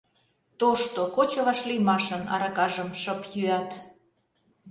Тошто, кочо вашлиймашын Аракажым шып йӱат.